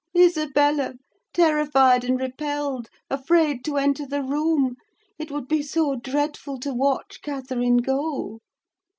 Isabella, terrified and repelled, afraid to enter the room, it would be so dreadful to watch Catherine go.